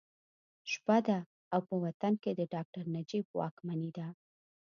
شپه ده او په وطن کې د ډاکټر نجیب واکمني ده